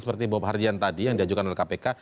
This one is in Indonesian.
seperti bob hardian tadi yang diajukan oleh kpk